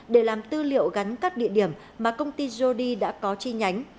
để làm tư liệu gắn các địa điểm mà công ty goldi đã có chi nhánh